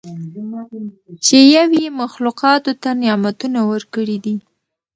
چې یو ئي مخلوقاتو ته نعمتونه ورکړي دي